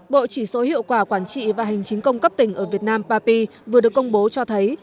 bộ chỉ số hiệu quả quản trị và hành chính công cấp tỉnh ở việt nam papi vừa được công bố cho thấy